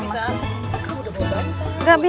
jangan cumbang dramatic